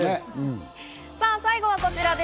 さぁ、最後はこちらです。